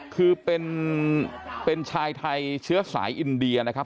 คือเป็นชายไทยเชื้อสายอินเดียนะครับ